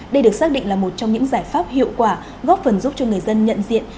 đây được xác định là một trong những giải pháp hiệu quả góp phần giúp cho người dân nhận diện